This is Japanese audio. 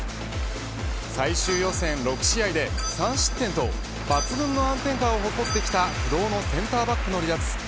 最終予選６試合で３失点と抜群の安定感を誇ってきた不動のセンターバックの離脱。